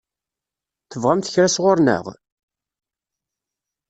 Tebɣamt kra sɣur-neɣ?